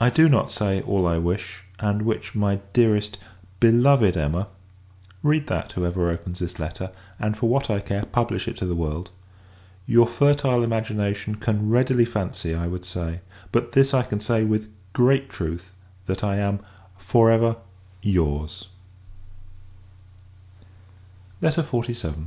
I do not say, all I wish; and which, my dearest beloved Emma (read that, whoever opens this letter; and, for what I care, publish it to the world) your fertile imagination can readily fancy I would say: but this I can say, with great truth, that I am, FOR EVER, YOUR'S LETTER XLVII.